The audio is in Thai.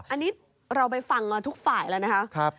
อันนี้เราไปฟังมาทุกฝ่ายแล้วนะคะ